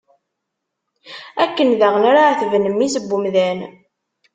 Akken daɣen ara ɛetben mmi-s n umdan.